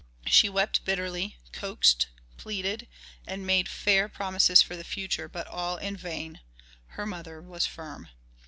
She wept bitterly, coaxed, pleaded, and made fair promises for the future, but all in vain. Her mother was firm.